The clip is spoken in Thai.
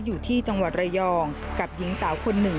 อยู่ที่จังหวัดระยองกับหญิงสาวคนหนึ่ง